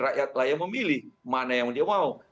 rakyat layak memilih mana yang dia mau